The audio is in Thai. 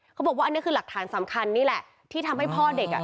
เขาบอกว่าอันนี้คือหลักฐานสำคัญนี่แหละที่ทำให้พ่อเด็กอ่ะ